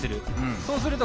そうすると